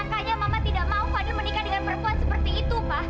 kayaknya mama tidak mau fadil menikah dengan perempuan seperti itu pak